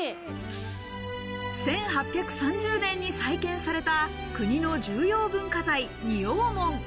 １８３０年に再建された国の重要文化財・仁王門。